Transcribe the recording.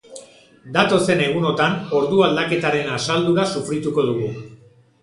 Datozen egunotan ordu aldaketaren asaldura sufrituko dugu.